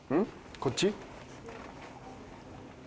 こっち？